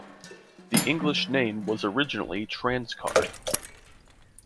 The English name was originally TransCard.